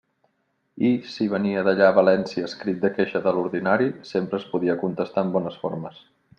I, si venia d'allà València escrit de queixa de l'ordinari, sempre es podia contestar amb bones formes.